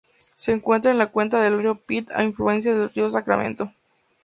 Se encuentra en la cuenca del río Pit, un afluente del río Sacramento.